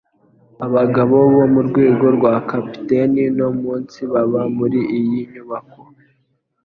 Abagabo bo mu rwego rwa capitaine no munsi baba muri iyi nyubako